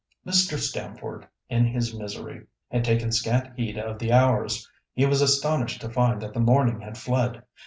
Mr. Stamford, in his misery, had taken scant heed of the hours. He was astonished to find that the morning had fled.